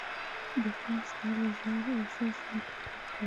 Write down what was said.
دښمن ستا له ژور احساس نه کرکه لري